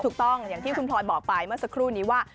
ถูกต้องอย่างที่คุณบอกค่าเมื่อสักครู่กี่ว่า